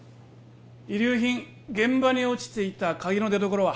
遺留品現場に落ちていた鍵の出どころは？